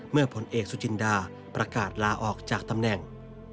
ผลเอกสุจินดาประกาศลาออกจากตำแหน่ง